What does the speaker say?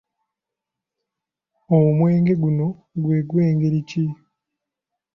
Omwenge guno gwe gw'engeri ki?